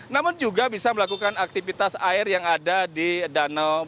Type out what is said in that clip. namun juga bisa melakukan aktivitas air yang ada di danau